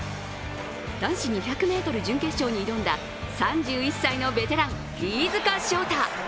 男子２００ｍ準決勝に挑んだ３１歳のベテラン・飯塚翔太。